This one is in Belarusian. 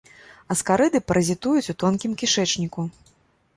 Аскарыды паразітуюць у тонкім кішэчніку.